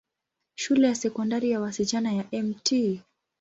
Shule ya Sekondari ya wasichana ya Mt.